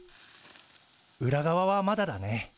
裏側はまだだね。